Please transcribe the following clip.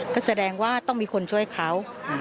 ก็แสดงว่าต้องมีคนช่วยเขา